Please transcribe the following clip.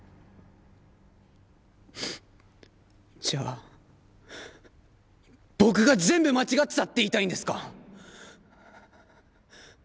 じゃあ僕が全部間違ってたって言いたいんですか！？